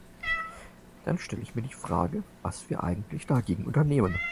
Dann stelle ich mir die Frage, was wir eigentlich dagegen unternehmen.